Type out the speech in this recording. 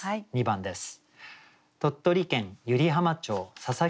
２番です。